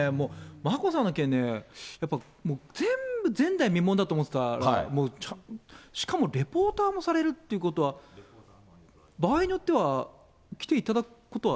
眞子さんの件ね、やっぱり全部前代未聞だと思ってたら、もう、しかもレポーターもされるっていうことは、場合によっては来ていただくことは？